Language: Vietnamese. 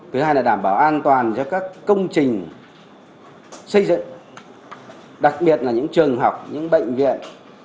thứ hai là đảm bảo an toàn cho các công trình xây dựng đặc biệt là những trường học những bệnh viện